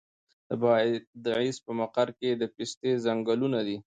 د بادغیس په مقر کې د پسته ځنګلونه دي.